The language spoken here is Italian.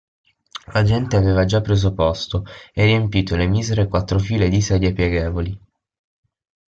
La gente aveva già preso posto e riempito le misere quattro file di sedie pieghevoli.